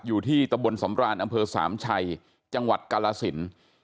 อยู่ที่ตะบนสำรานอำเภอสามชัยจังหวัดกาลสิน